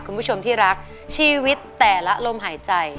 คุณผู้ชมที่รักชีวิตแต่ละลมหายใจ